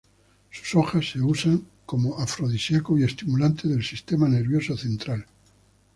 Sus hojas se usan como afrodisíaco y estimulante del sistema nervioso central.